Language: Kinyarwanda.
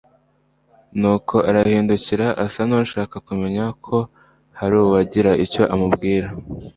Nuko arahindukira asa nushaka kumenya ko hari uwagira icyo amubwira